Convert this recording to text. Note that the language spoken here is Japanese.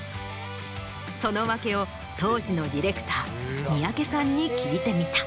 その訳を当時のディレクター三宅さんに聞いてみた。